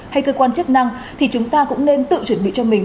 hay cơ quan chức năng thì chúng ta cũng nên tự chuẩn bị cho mình